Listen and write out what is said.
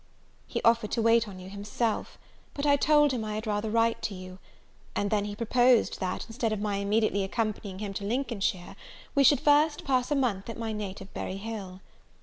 He offered to wait on you himself: but I told him I had rather write to you. And then he proposed, that, instead of my immediately accompanying him to Lincolnshire, we should first pass a month at my native Berry Hill.